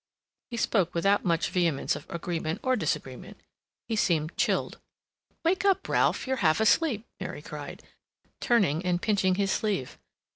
He spoke without much vehemence of agreement or disagreement. He seemed chilled. "Wake up, Ralph! You're half asleep!" Mary cried, turning and pinching his sleeve.